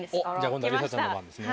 今度はりさちゃんの番ですね。